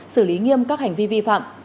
xử lý nghiêm các hành vi vi phạm